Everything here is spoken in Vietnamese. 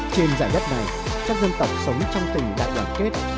trên giải đất này các dân tộc sống trong tình đại đoàn kết